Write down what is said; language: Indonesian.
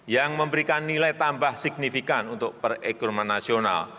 yang memberikan nilai tambah signifikan untuk perekonomian nasional